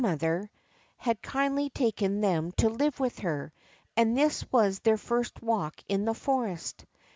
301 had kindly taken them to live with her ; and this was their first walk in the forest.